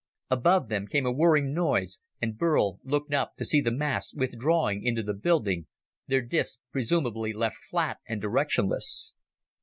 Above them came a whirring noise, and Burl looked up to see the masts withdrawing into the building, their discs presumably left flat and directionless.